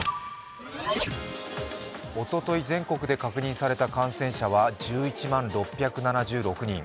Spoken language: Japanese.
おととい、全国で確認された感染者は１１万６７６人。